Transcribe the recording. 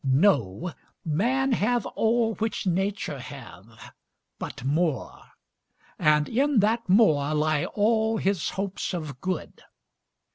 Know, man hath all which Nature hath, but more, And in that more lie all his hopes of good.